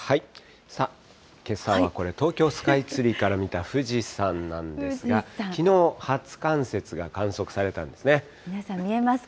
さあ、けさはこれ、東京スカイツリーから見た富士山なんですが、きのう、皆さん見えますか？